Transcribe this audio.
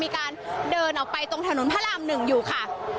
มีการเดินออกไปตรงถนนพระราม๑อยู่ค่ะ